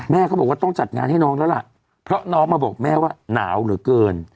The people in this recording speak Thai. เขาบอกว่าต้องจัดงานให้น้องแล้วล่ะเพราะน้องมาบอกแม่ว่าหนาวเหลือเกิน